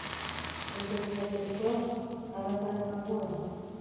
Se você quiser ter pão, abra para San Juan.